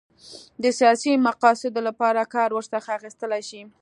د سیاسي مقاصدو لپاره کار ورڅخه اخیستلای شي.